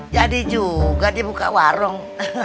jadi juga dia buka warung